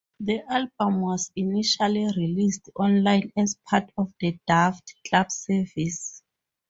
The album was initially released online as part of the Daft Club service.